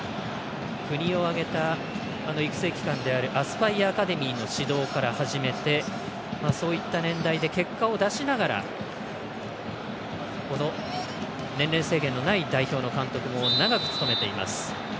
国を挙げた育成機関であるアスパイア・アカデミーで指導から始めてそういった年代で結果を出しながらこの年齢制限のない代表の監督も長く務めています。